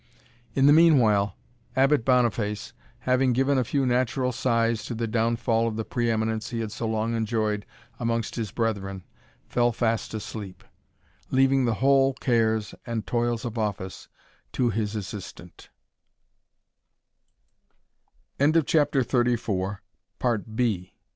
In the meanwhile Abbot Boniface, having given a few natural sighs to the downfall of the pre eminence he had so long enjoyed amongst his brethren, fell fast asleep, leaving the whole cares and toils of office to his assistant and [Chapter ending is missing in the original] Chapter